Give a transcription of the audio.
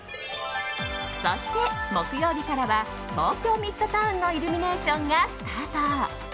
そして木曜日からは東京ミッドタウンのイルミネーションがスタート。